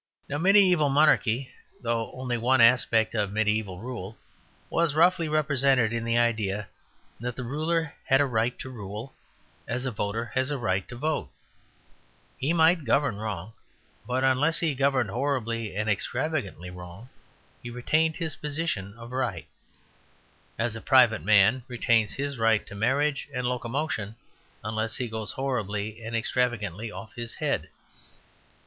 Now mediæval monarchy, though only one aspect of mediæval rule, was roughly represented in the idea that the ruler had a right to rule as a voter has a right to vote. He might govern wrong, but unless he governed horribly and extravagantly wrong, he retained his position of right; as a private man retains his right to marriage and locomotion unless he goes horribly and extravagantly off his head.